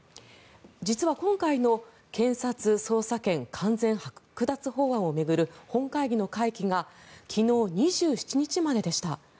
実は今回の検察捜査権完全はく奪法案を巡る本会議の会期が昨日２７日まででした。